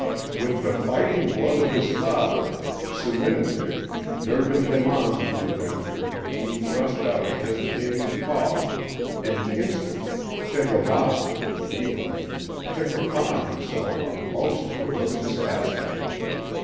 With the fighting blood of his father, Soominitik, nerving him on to the adventure he thrust out a hesitating paw, and instantly Chegawasse, the beetle, took upon himself a most ferocious aspect.